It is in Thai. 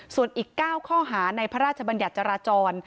ส่วนอีก๙ข้อหาในพระราชบัญญัติจราจร